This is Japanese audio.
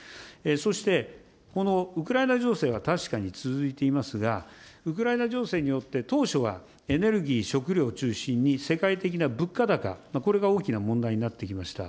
そしてこのウクライナ情勢は確かに続いていますが、ウクライナ情勢によって、当初はエネルギー、食糧を中心に、世界的な物価高、これが大きな問題になってきました。